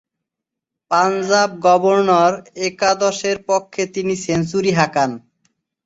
Punjab governor একাদশের পক্ষে তিনি সেঞ্চুরি হাঁকান।